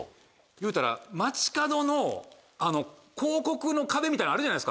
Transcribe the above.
いうたら街角の広告の壁みたいなのあるじゃないですか。